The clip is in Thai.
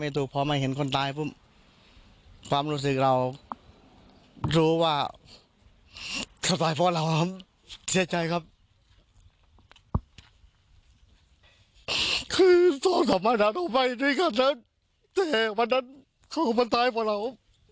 โทษสมรรถใหม่ไปด้วยกันกันแต่วันนั้นเขามันตายพวกเรา